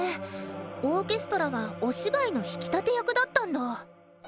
オーケストラはお芝居の引き立て役だったんだ。